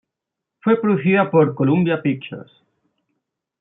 Fue producida por Columbia Pictures.